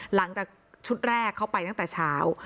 หลังจากชุดแรกเขาไปตั้งแต่เช้า